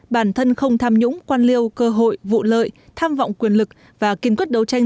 bản thân không tham nhũng quan liêu cơ hội vụ lợi tham vọng quyền lực và kiên quyết đấu tranh